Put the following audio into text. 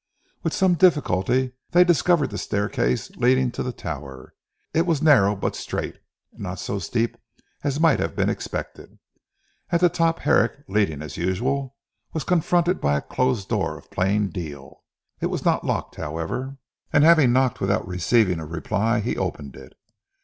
With some difficulty they discovered the staircase leading to the tower. It was narrow but straight, and not so steep as might have been expected. At the top Herrick leading as usual was confronted by a closed door of plain deal. It was not locked however, and having knocked without receiving a reply he opened it.